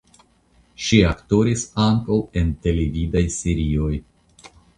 Ŝi aktoris ankaŭ en televidaj serioj.